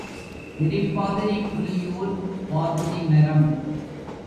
திருப்பாதிரிப் புலியூர் பாதிரி மரம்.